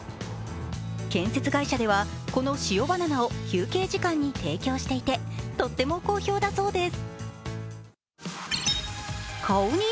建設会社ではこの塩バナナを休憩時間に提供していて、とっても好評だそうです。